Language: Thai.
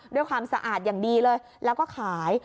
ด้วยความสะอาดอย่างดีเลยแล้วก็ขาย